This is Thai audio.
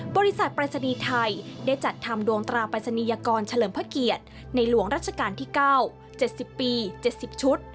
บริษัทปรายศนีย์ไทยได้จัดทำดวงตราปริศนียกรเฉลิมพระเกียรติในหลวงรัชกาลที่๙๗๐ปี๗๐ชุด